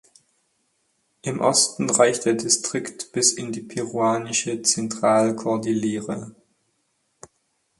Im Osten reicht der Distrikt bis in die peruanische Zentralkordillere.